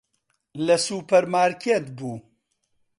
لە سوپەرمارکێت بوو.